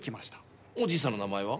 おじいさんの名前は？